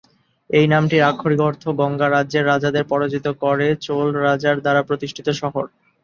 এই নামটির আক্ষরিক অর্থ গঙ্গা রাজ্যের রাজাদের পরাজিত করে চোল রাজার দ্বারা প্রতিষ্ঠিত শহর।